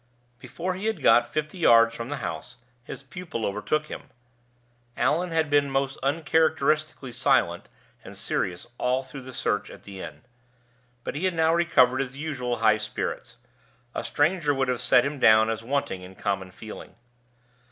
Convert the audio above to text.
Before he had got fifty yards from the house his pupil overtook him. Allan had been most uncharacteristically silent and serious all through the search at the inn; but he had now recovered his usual high spirits. A stranger would have set him down as wanting in common feeling.